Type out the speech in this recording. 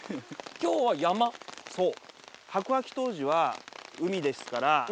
そう。